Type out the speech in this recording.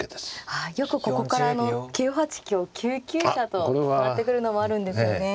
はいよくここから９八香９九飛車とやってくるのもあるんですよね。